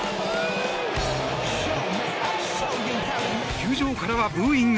球場からはブーイング。